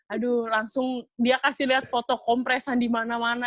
aduh langsung dia kasih liat foto kompresan dimana mana